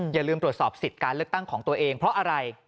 อย่าลืมตรวจสอบสิทธิ์การเลือกตั้งของตัวเองเพราะอะไร